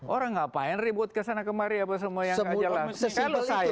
orang ngapain ribut kesana kemari apa semua yang kejelas